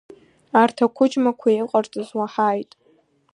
Арҭ ақәыџьмақәа иҟарҵаз уаҳаит!